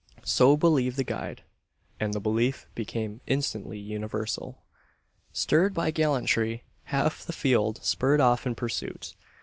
So believed the guide; and the belief became instantly universal. Stirred by gallantry, half the field spurred off in pursuit.